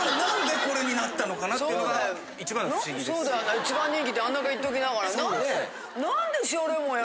一番人気ってあんだけ言っときながら。